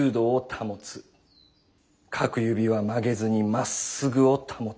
各指は曲げずに真っ直ぐを保つ。